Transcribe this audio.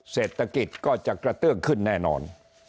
เศรษฐกิจก็จะกระเตื้องขึ้นแน่นอน